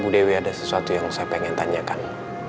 bu dewi ada sesuatu yang saya pengen tanyakan